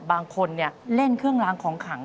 บางคนเล่นเครื่องล้างของขัง